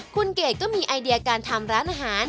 คุณเกดก็มีไอเดียการทำร้านอาหาร